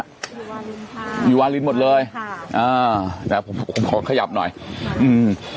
อยู่วาลินค่ะอยู่วาลินหมดเลยค่ะอ่าเดี๋ยวผมขอขยับหน่อยอืม